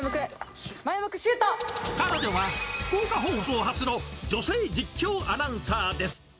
彼女は福岡放送初の女性実況アナウンサーです。